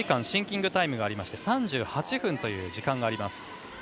シンキングタイムがありまして３８分という時間があります。